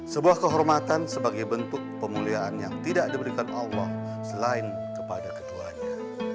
sebuah kehormatan sebagai bentuk pemulihan yang tidak diberikan allah selain kepada keduanya